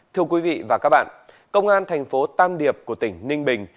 thưa quý vị và các bạn công an thành phố tam điệp của tỉnh ninh bình